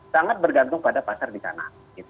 sangat bergantung pada pasar di sana